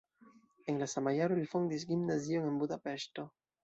En la sama jaro li fondis gimnazion en Budapeŝto.